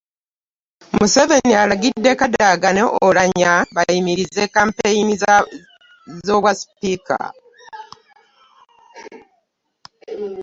Museveni alagidde Kadaga ne Oulanya bayimirize kkampeyini z'obwa sipiika